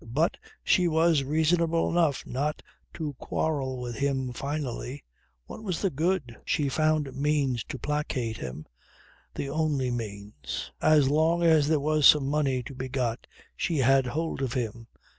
But she was reasonable enough not to quarrel with him finally. What was the good? She found means to placate him. The only means. As long as there was some money to be got she had hold of him.